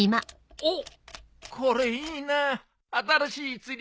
おっ！